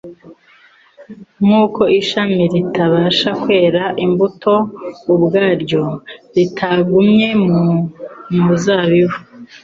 Nkuko ishami ritabasha kwera imbuto ubwaryo ritagumye mu muzabibu,